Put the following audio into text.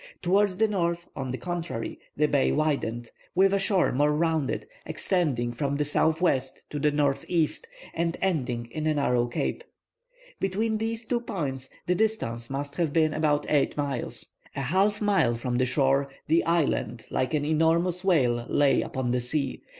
Towards the north, on the contrary, the bay widened, with a shore more rounded, extending from the southwest to the northeast, and ending in a narrow cape. Between these two points, the distance must have been about eight miles. A half mile from the shore the island, like an enormous whale, lay upon the sea.